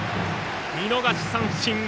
見逃し三振！